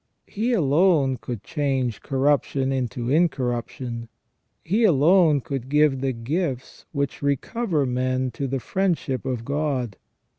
He alone could change corruption into incorruption ; He alone could give the gifts which recover men to the friendship of God.